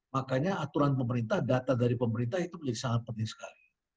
makanya aturan pemerintah data dari pemerintah itu menjadi sangat penting sekali